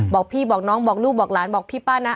บอกพี่บอกน้องบอกลูกบอกหลานบอกพี่ป้านะ